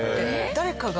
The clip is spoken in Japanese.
誰かが。